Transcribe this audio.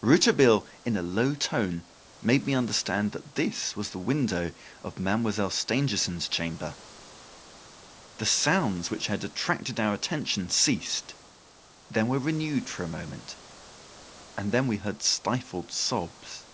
Rouletabille, in a low tone, made me understand, that this was the window of Mademoiselle Stangerson's chamber. The sounds which had attracted our attention ceased, then were renewed for a moment, and then we heard stifled sobs.